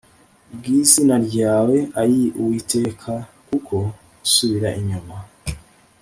Bw izina ryawe ayi uwiteka kuko gusubira inyuma